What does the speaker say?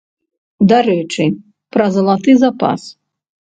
Дарэчы, пра залаты запас.